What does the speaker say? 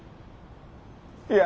いや。